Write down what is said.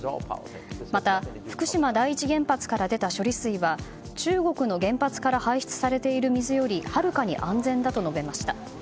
また、福島第一原発から出た処理水は中国の原発から排出されている水よりはるかに安全だと述べました。